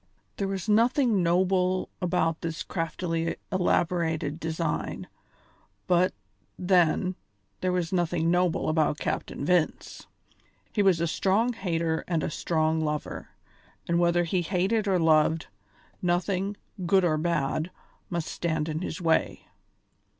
There was nothing noble about this craftily elaborated design; but, then, there was nothing noble about Captain Vince. He was a strong hater and a strong lover, and whether he hated or loved, nothing, good or bad, must stand in his way.